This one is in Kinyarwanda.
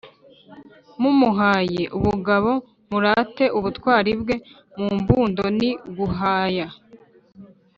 Mumuhaye (ubugabo): murate ubutwari bwe. Mu mbundo ni “guhaya.”